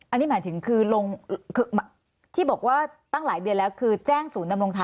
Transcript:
อันนี้หมายถึงคือลงที่บอกว่าตั้งหลายเดือนแล้วคือแจ้งศูนย์ดำรงธรรม